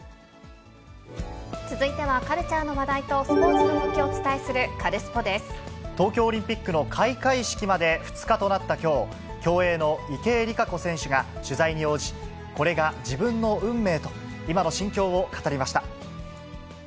続いてはカルチャーの話題とスポーツの動きをお伝えするカル東京オリンピックの開会式まで２日となったきょう、競泳の池江璃花子選手が取材に応じ、これが自分の運命と、今の心境を語りました。